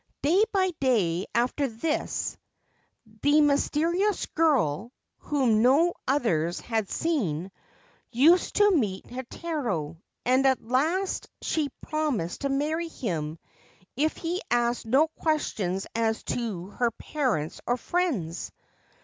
Day by day after this the mysterious girl (whom no others had seen) used to meet Heitaro, and at last she promised to marry him if he asked no questions as to her parents or friends.